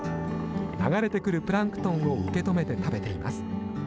流れてくるプランクトンを受け止めて食べています。